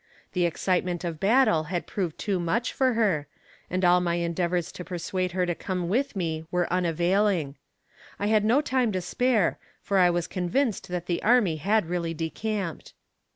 The excitement of battle had proved too much for her, and all my endeavors to persuade her to come with me were unavailing. I had no time to spare, for I was convinced that the army had really decamped.